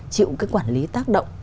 chịu cái quản lý tác động